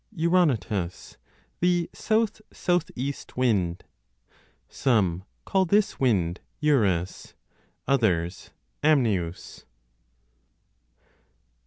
Euronotus 5 (the South South East Wind). Some call this wind Eurus, others Amneus.